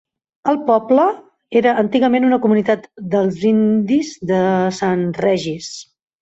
El poble era antigament una comunitat del indis de Sant Regis.